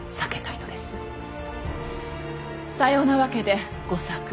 さようなわけで吾作。